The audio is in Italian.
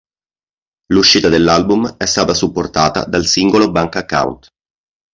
L'uscita dell'album è stata supportata dal singolo "Bank Account".